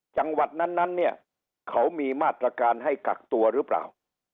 จังหวัดนั้นเนี่ยเขามีมาตรการให้กักตัวหรือเปล่า